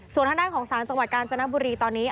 ส่วนทางด้านของสารจังหวัดกาญจนบุรีตอนนี้